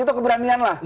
itu keberanian lah